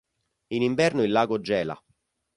In inverno il lago gela.